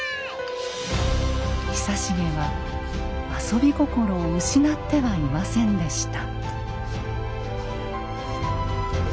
久重は遊び心を失ってはいませんでした。